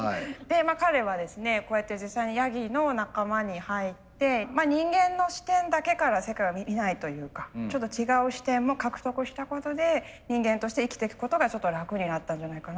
彼はですねこうやって実際にヤギの仲間に入って人間の視点だけから世界を見ないというかちょっと違う視点も獲得したことで人間として生きてくことがちょっと楽になったんじゃないかなと。